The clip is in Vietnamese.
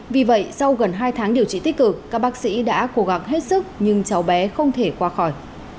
vì vậy sau gần hai tháng điều trị tích cực các bác sĩ đã cố gắng hết sức nhưng cháu bé không thể qua khỏi